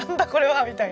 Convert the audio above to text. みたいな。